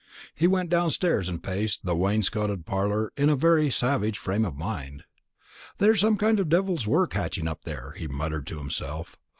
He went downstairs, and paced the wainscoted parlour in a very savage frame of mind. "There's some kind of devil's work hatching up there," he muttered to himself.